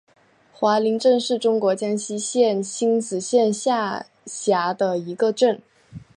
华林镇是中国江西省星子县下辖的一个镇。